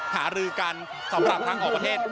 หารือกันสำหรับทางออกประเทศ